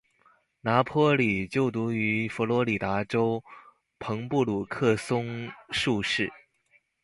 拿坡里就读于佛罗里达州朋布鲁克松树市。